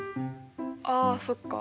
あそっか。